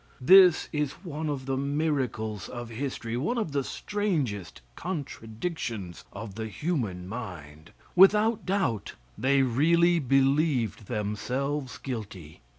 This is one of the miracles of history, one of the strangest contradictions of the human mind. Without doubt they really believed themselves guilty.